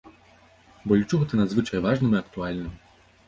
Бо лічу гэта надзвычай важным і актуальным.